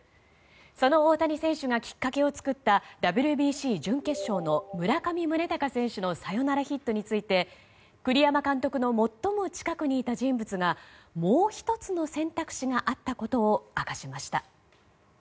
その大谷選手がきっかけを作ったＷＢＣ準決勝の村上宗隆選手のサヨナラヒットについて栗山監督の最も近くにいた人物がもう１つの選択肢があったことを明かしました。